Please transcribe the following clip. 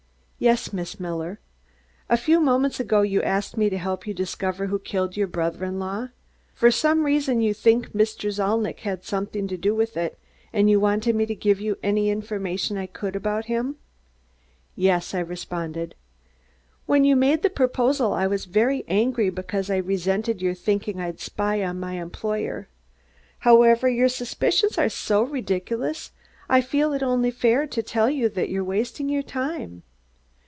"Yes, Miss Miller." "A few moments ago you asked me to help you discover who killed your brother in law. For some reason you think Mr. Zalnitch had something to do with it, and you wanted me to give you any information I could about him." "Yes," I responded. "When you made that proposal, I was very angry because I resented your thinking I'd spy on my employer. However, your suspicions are so ridiculous I feel it is only fair to tell you that you are wasting your time."